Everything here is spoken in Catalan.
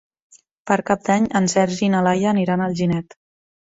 Per Cap d'Any en Sergi i na Laia aniran a Alginet.